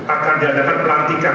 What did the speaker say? akan diadakan pelatihan